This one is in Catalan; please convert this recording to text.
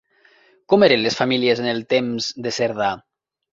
Com eren les famílies en el temps de Cerdà?